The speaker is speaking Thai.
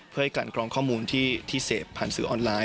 เพื่อให้การกรองข้อมูลที่เสพผ่านสื่อออนไลน